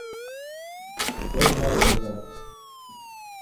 Oimwa rusa.